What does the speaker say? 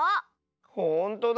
ほんとだ。